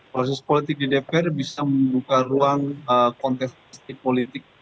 proses politik di dpr bisa membuka ruang kontestasi politik